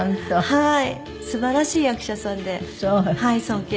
はい。